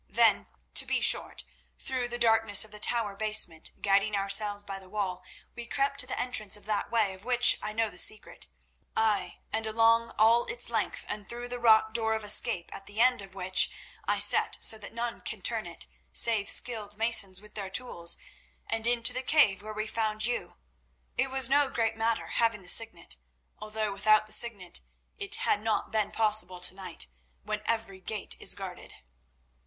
Then, to be short, through the darkness of the tower basement, guiding ourselves by the wall, we crept to the entrance of that way of which I know the secret. Ay, and along all its length and through the rock door of escape at the end which I set so that none can turn it, save skilled masons with their tools, and into the cave where we found you. It was no great matter, having the Signet, although without the Signet it had not been possible to night, when every gate is guarded."